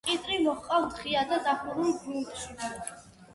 კიტრი მოჰყავთ ღია და დახურულ გრუნტში.